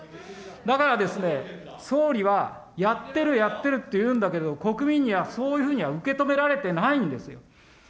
だからですね、総理はやってる、やってるって言うんだけど、国民にはそういうふうには受け止められてないんですよ。